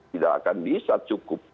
tidak akan bisa cukup